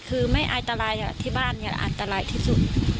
คือไม่อันตรายที่บ้านเนี่ยอันตรายที่สุด